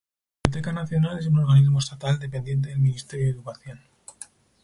La Biblioteca Nacional es un organismo estatal dependiente del Ministerio de Educación.